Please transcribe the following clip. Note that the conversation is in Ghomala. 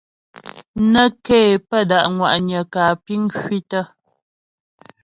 Nə́ ké pə́ da' ŋwa'nyə kǎ piŋ kwǐtə.